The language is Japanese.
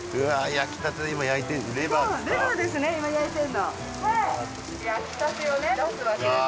焼きたてで今焼いてレバーですか？